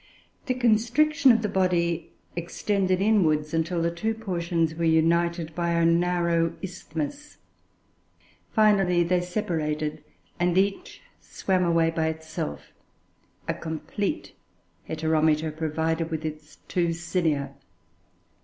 The constriction of the body extended inwards until the two portions were united by a narrow isthmus; finally, they separated and each swam away by itself, a complete Heteromita, provided with its two cilia.